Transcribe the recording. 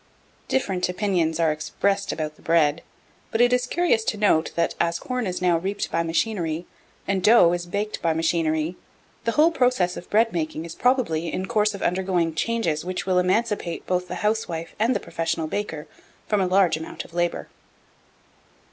Different opinions are expressed about the bread; but it is curious to note, that, as corn is now reaped by machinery, and dough is baked by machinery, the whole process of bread making is probably in course of undergoing changes which will emancipate both the housewife and the professional baker from a large amount of labour.